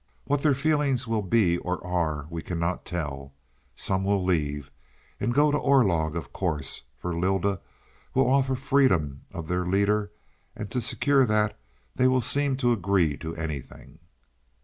What their feelings will be or are we cannot tell. Some will leave and go to Orlog of course, for Lylda will offer freedom of their leader and to secure that they will seem to agree to anything.